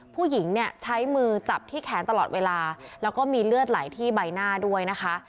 ผู้หญิงเนี่ยใช้มือจับที่แขนตลอดเวลาแล้วก็มีเลือดไหลที่ใบหน้าด้วยนะคะ